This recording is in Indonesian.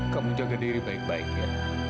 kamu jaga diri baik baik ya